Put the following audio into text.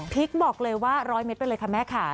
พลิกบอกเลยว่าร้อยเม็ดไปเลยค่ะแม่ค่ะ